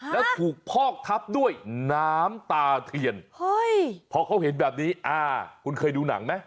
แล้วถูกพอกทับด้วยน้ำตาเทียนพอเขาเห็นแบบนี้อ่าคุณเคยดูหนังไหม